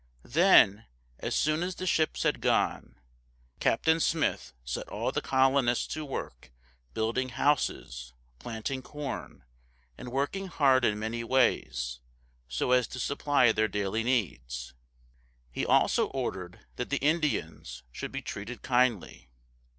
Then, as soon as the ships had gone, Captain Smith set all the colonists to work building houses, planting corn, and working hard in many ways, so as to supply their daily needs. He also ordered that the Indians should be treated kindly.